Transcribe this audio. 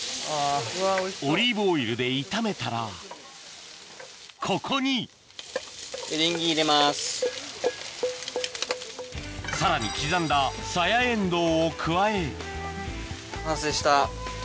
オリーブオイルで炒めたらここにさらに刻んだサヤエンドウを加え完成した。